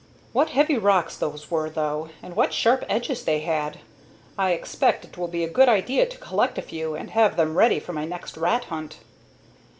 "What heavy rocks those were, though, and what sharp edges they had! I expect it will be a good idea to collect a few, and have them ready for my next rat hunt."